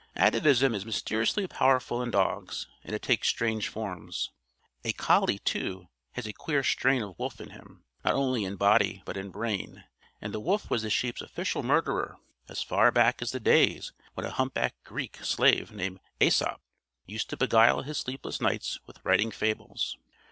Atavism is mysteriously powerful in dogs, and it takes strange forms. A collie, too, has a queer strain of wolf in him not only in body but in brain, and the wolf was the sheep's official murderer, as far back as the days when a humpbacked Greek slave, named Æsop, used to beguile his sleepless nights with writing fables.